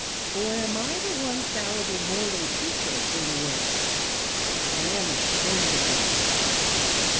Or am I the one fallible mortal creature in the world? I am ashamed of myself.